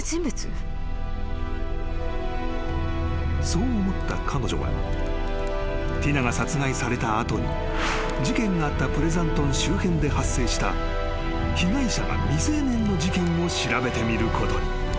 ［そう思った彼女はティナが殺害された後に事件があったプレザントン周辺で発生した被害者が未成年の事件を調べてみることに］